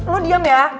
lo diam ya